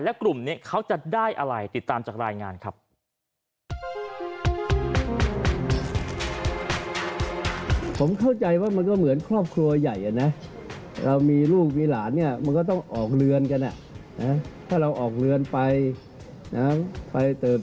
และกลุ่มนี้เขาจะได้อะไรติดตามจากรายงานครับ